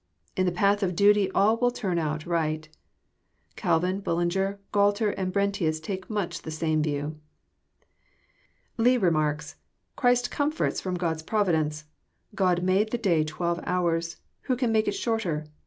In the path of duty all will turn out right. Calvin, Bullinger, Gualter, and Brentius, take much the same view. Leigh remarks :'< Christ comforts ftom God*s providence. God made the day twelve hoars. Who can make it shorter?